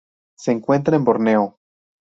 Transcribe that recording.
Se encuentra Borneo.